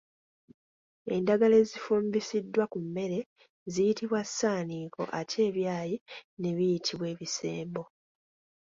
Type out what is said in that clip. Endagala ezifumbisiddwa ku mmere ziyitibwa ssaaniiko, ate ebyayi ne biyitibwa Ebisembo.